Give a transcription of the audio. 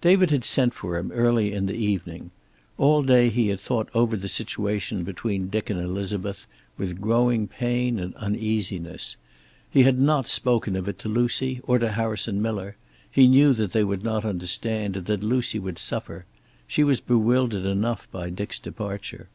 David had sent for him early in the evening. All day he had thought over the situation between Dick and Elizabeth, with growing pain and uneasiness. He had not spoken of it to Lucy, or to Harrison Miller; he knew that they would not understand, and that Lucy would suffer. She was bewildered enough by Dick's departure.